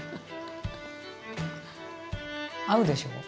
合うでしょ？